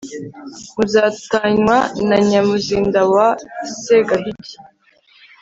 muzatanywa na nyamuzinda wa segahigi